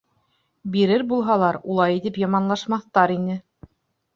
Бирер булһалар, улай итеп яманлашмаҫтар ине.